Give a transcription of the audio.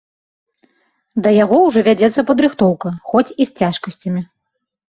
Да яго ўжо вядзецца падрыхтоўка, хоць і з цяжкасцямі.